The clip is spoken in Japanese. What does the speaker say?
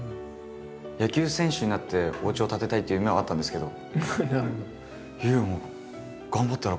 野球選手になっておうちを建てたいっていう夢はあったんですけど。